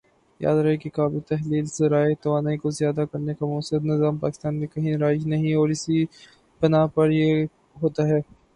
یاد رہے کہ قابلِ تحلیل ذرائع توانائی کو ذیادہ کرنے کا مؤثر نظام پاکستان میں کہیں رائج نہیں اور اسی بنا پر یہ ہوتا ہے